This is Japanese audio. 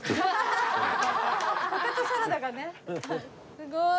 すごーい。